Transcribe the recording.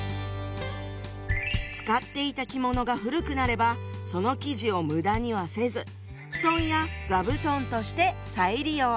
使っていた着物が古くなればその生地を無駄にはせず布団や座布団として再利用。